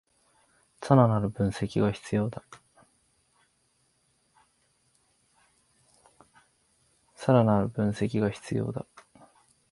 さらなる分析が必要だ